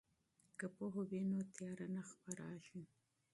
که پوهه وي نو تیاره نه خپریږي.